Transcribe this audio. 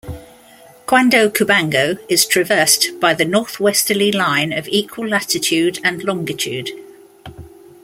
Cuando Cubango is traversed by the northwesterly line of equal latitude and longitude.